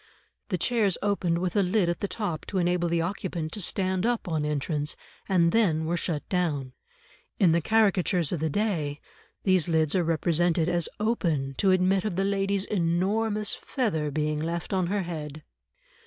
The chairs opened with a lid at the top to enable the occupant to stand up on entrance, and then were shut down; in the caricatures of the day, these lids are represented as open to admit of the lady's enormous feather being left on her head.